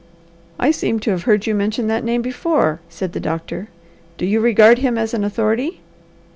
"I seem to have heard you mention that name be fore," said the doctor. "Do you regard him as an authority?"